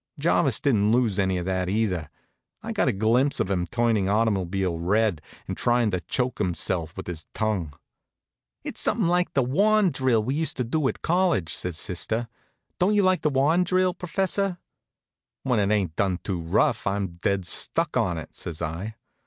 Jarvis didn't lose any of that, either. I got a glimpse of him turnin' automobile red, and tryin' to choke himself with his tongue. "It's something like the wand drill we used to do at college," says sister. "Don't you like the wand drill, professor?" "When it ain't done too rough, I'm dead stuck on it," says I.